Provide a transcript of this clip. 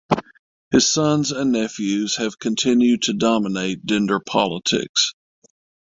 His sons and nephews have continued to dominate Dinder politics.